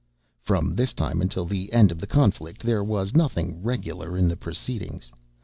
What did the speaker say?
From this time until the end of the conflict, there was nothing regular in the proceedings.